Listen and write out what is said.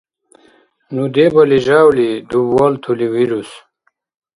Ну дебали жявли дубвалтули вирус.